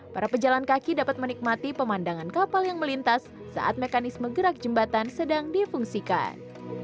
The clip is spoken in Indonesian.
para pejalan kaki dapat menikmati pemandangan kapal yang melintas saat mekanisme gerak jembatan sedang difungsikan